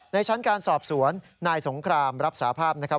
ชั้นการสอบสวนนายสงครามรับสาภาพนะครับ